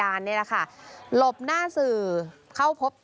หลบหน้าสื่อเข้าพบ